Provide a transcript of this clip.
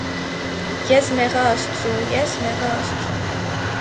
- Ես մեղա աստծու, ես մեղա աստծու…